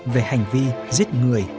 về hành vi giết người